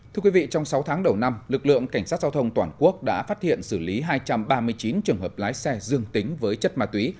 thưa quý vị trong sáu tháng đầu năm lực lượng cảnh sát giao thông toàn quốc đã phát hiện xử lý hai trăm ba mươi chín trường hợp lái xe dương tính với chất ma túy